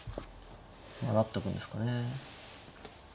まあ成っとくんですかね。